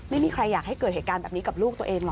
ไม่มีใครอยากให้เกิดเหตุการณ์แบบนี้กับลูกตัวเองหรอก